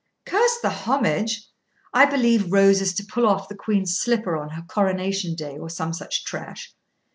'Curse the homage! I believe Rose is to pull off the queen's slipper on her coronation day, or some such trash.